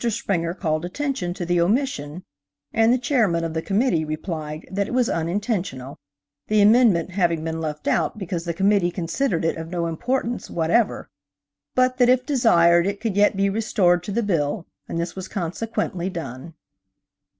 Springer called attention to the omission, and the chairman of the committee replied that it was unintentional–the amendment having been left out because the committee considered it of no importance whatever, but that if desired it could yet be restored to the bill, and this was consequently done.